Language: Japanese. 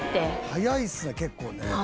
早いですね結構ね。